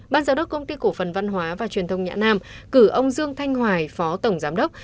ban giám đốc công ty cổ phần văn hóa và truyền thông nhã nam cử ông dương thanh hoài phó tổng giám đốc